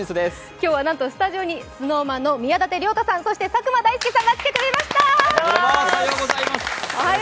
今日はなんとスタジオにＳｎｏｗＭａｎの宮舘涼太さん、そして佐久間大介さんが来てくれました。